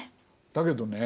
だけどね